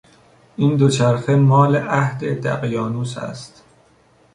این دوچرخه مال عهد دقیانوس است.